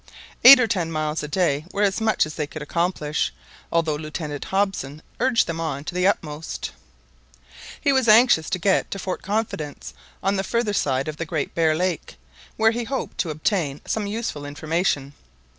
Eight or ten miles a day were as much as they could accomplish, although Lieutenant Hobson urged them on to the utmost. He was anxious to get to Fort Confidence, on the further side of the Great Bear Lake, where he hoped to obtain some useful information.